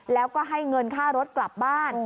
แล้วก็ให้เงินค่ารถกลับบ้าน